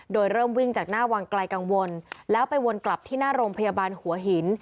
โดยเริ่มวิ่งจากหน้าวังไกลกังวลแล้วไปวนกลับที่หน้าโรงพยาบาลหัวหิน